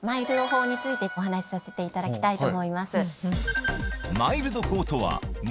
ＭＩＬＤ法についてお話しさせていただきたいと思います。